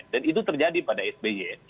dan itu terjadi pada sby